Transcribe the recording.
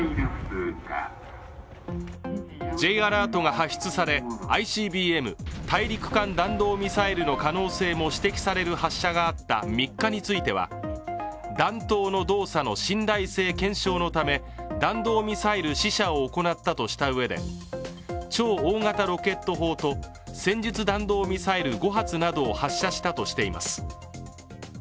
Ｊアラートが発出され、ＩＣＢＭ＝大陸間弾道ミサイルが発射される可能性も指摘される発射があった３日については弾頭の動作の信頼性検証のため弾道ミサイル試射を行ったとしたうえで超大型ロケット砲と戦術弾道ミサイル５発などを発射したとされています。